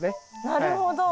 なるほど。